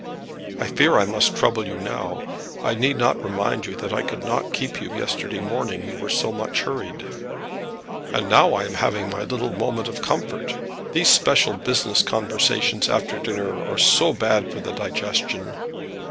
"I fear I must trouble you now. I need not remind you that I could not keep you yesterday morning; you were so much hurried." "And now I am having my little moment of comfort! These special business conversations after dinner are so bad for the digestion!"